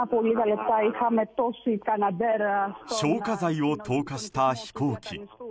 消火剤を投下した飛行機。